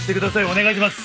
お願いします。